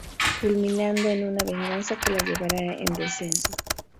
Culminando en una venganza que la llevará en descenso.